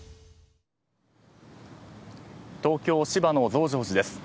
東京・芝の増上寺です。